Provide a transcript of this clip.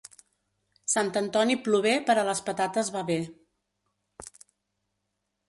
Sant Antoni plover per a les patates va bé.